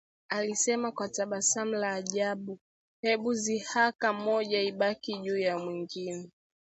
Alisema kwa tabasamu la ajabu, Hebu dhihaka moja ibaki juu ya mwingine